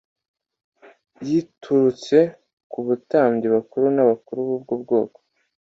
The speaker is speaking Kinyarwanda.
giturutse ku batambyi bakuru n’abakuru b’ubwo bwoko.